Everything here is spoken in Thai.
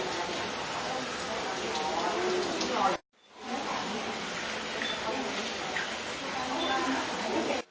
สวัสดีครับสวัสดีครับ